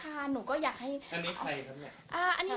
โตค่ะหนูก็อยากให้